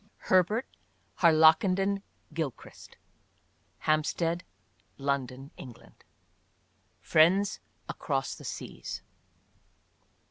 GILCHRIST. 25 HERBERT HARLAKENDEN GILCHRIST: Hampstead, London, England. FRIENDS ACROSS THE SEAS.